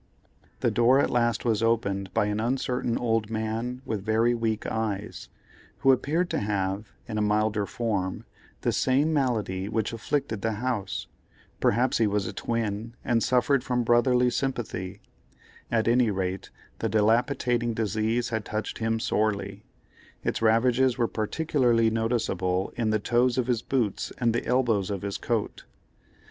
The door at last was opened by an uncertain old man with very weak eyes, who appeared to have, in a milder form, the same malady which afflicted the house; perhaps he was a twin, and suffered from brotherly sympathy—at any rate the dilapidating disease had touched him sorely; its ravages were particularly noticeable in the toes of his boots and the elbows of his coat.